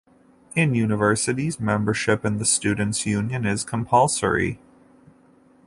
In universities, membership in the students' union is compulsory.